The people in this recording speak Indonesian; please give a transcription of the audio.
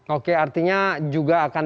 oke artinya juga akan